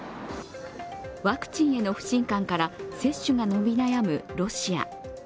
ワクチンへの不信感から接種が伸び悩むロシア。